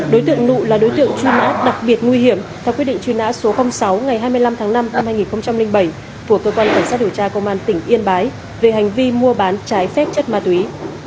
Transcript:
đối tượng nụ là đối tượng truy nã đặc biệt nguy hiểm theo quyết định truy nã số sáu ngày hai mươi năm tháng năm năm hai nghìn bảy của cơ quan cảnh sát điều tra công an tỉnh yên bái về hành vi mua bán trái phép chất ma túy